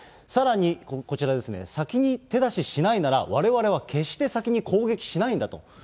さらに、こちらですね、先に手出ししないなら、われわれは決して先に攻撃しないんだと。